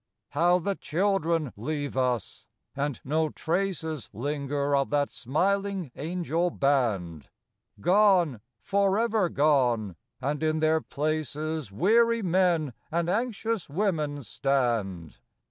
How the Children leave us : and no traces Linger of that smiling angel band ; Gone, forever gone ; and in their places Weary men and anxious women stand.